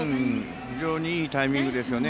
非常にいいタイミングですよね。